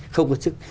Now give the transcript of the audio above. không cân sức